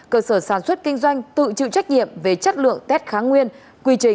cơ sở sản xuất kinh doanh tự chịu trách nhiệm về chất lượng test kháng nguyên quy trình và kết quả xét nghiệm